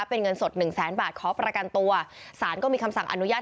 เป็นเงินสดหนึ่งแสนบาทขอประกันตัวสารก็มีคำสั่งอนุญาต